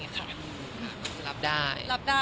ค่ะ